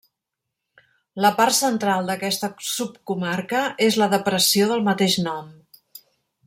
La part central d'aquesta subcomarca és la depressió del mateix nom.